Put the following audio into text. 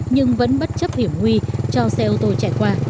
nhưng vẫn bất chấp hiểm nguy cho xe ô tô chạy qua